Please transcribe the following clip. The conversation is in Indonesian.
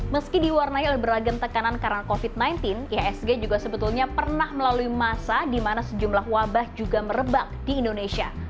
meski diwarnai oleh beragam tekanan karena covid sembilan belas ihsg juga sebetulnya pernah melalui masa di mana sejumlah wabah juga merebak di indonesia